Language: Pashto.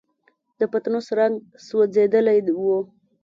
د پتنوس رنګ سوځېدلی و.